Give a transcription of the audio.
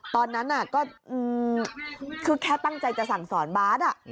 ตอนนั้นก็คือแค่ตั้งใจจะสั่งสอนบาท